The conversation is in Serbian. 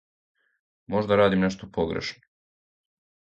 Можда радим нешто погрешно.